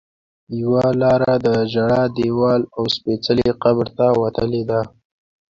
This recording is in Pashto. یوه لاره د ژړا دیوال او سپېڅلي قبر ته وتلې ده.